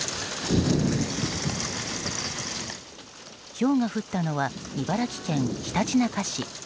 ひょうが降ったのは茨城県ひたちなか市。